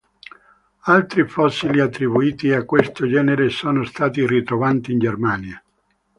Altri fossili attribuiti a questo genere sono stati ritrovati in Germania.